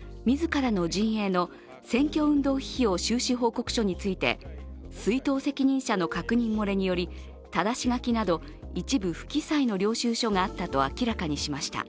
広島県の選挙管理委員会に提出した自らの陣営の選挙運動費用収支報告書について出納責任者の確認漏れにより、ただし書きなど一部不記載の領収書があったと明らかにしました。